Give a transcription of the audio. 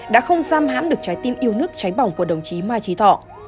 đã không giam hãm được trái tim yêu nước cháy bỏng của đồng chí mai trí thọ